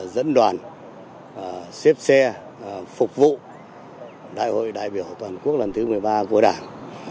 dẫn đoàn xếp xe phục vụ đại hội đại biểu toàn quốc lần thứ một mươi ba của đảng